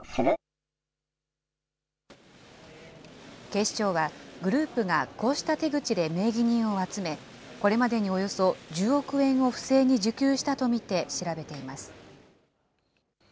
警視庁は、グループがこうした手口で名義人を集め、これまでにおよそ１０億円を不正に受給したと見て、調べています。